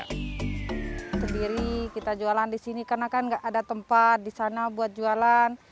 kita sendiri kita jualan di sini karena kan gak ada tempat di sana buat jualan